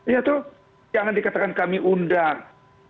ya tuh jangan dikatakan kami undang